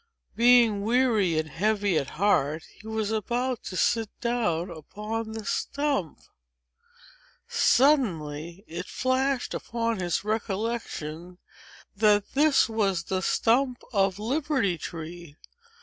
Being weary and heavy at heart, he was about to sit down upon the stump. Suddenly, it flashed upon his recollection, that this was the stump of Liberty Tree!